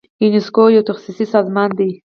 یونسکو یو تخصصي سازمان دی.